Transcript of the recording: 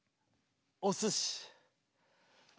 おすし。